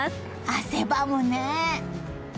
汗ばむね！